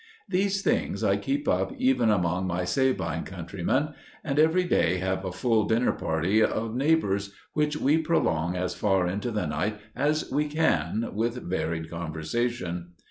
These things I keep up even among my Sabine countrymen, and every day have a full dinner party of neighbours, which we prolong as far into the night as we can with varied conversation.